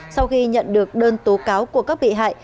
sau khi nhận được đơn tố cáo của các bị hại